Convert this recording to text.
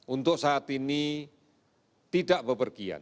untuk saat ini tidak bepergian